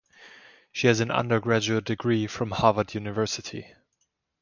She has an undergraduate degree from Harvard University.